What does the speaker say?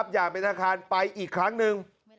อย่างเป็นอาคารไปอีกครั้งหนึ่ง